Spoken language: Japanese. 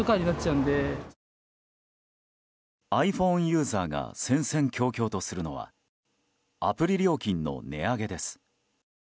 ｉＰｈｏｎｅユーザーが戦々恐々とするのはアプリ料金の値上げです。